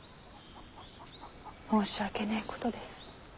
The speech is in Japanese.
申し訳ねぇことです。